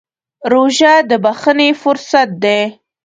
روژه د بښنې فرصت دی.